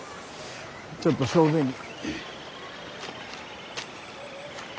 ちょっと小便に。